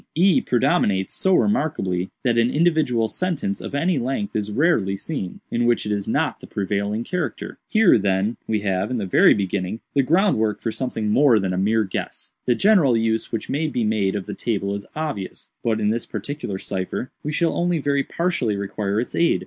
E predominates so remarkably that an individual sentence of any length is rarely seen, in which it is not the prevailing character. "Here, then, we leave, in the very beginning, the groundwork for something more than a mere guess. The general use which may be made of the table is obvious—but, in this particular cipher, we shall only very partially require its aid.